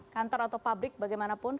kantor atau pabrik bagaimanapun